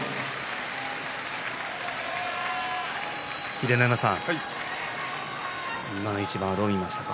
秀ノ山さん、今の一番どう見ましたか？